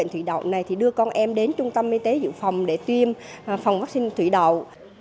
thủy đậu này thì đưa con em đến trung tâm y tế dự phòng để tiêm phòng vaccine thủy đậu